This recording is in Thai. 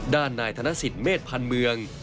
ด้านนายธนสิตเมษภัณฑ์เมือง